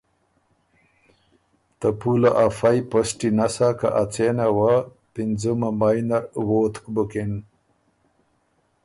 ته پُوله افئ پسټی نسا که اڅېنه وه پِنځُمه مای نر ووتک بُکِن۔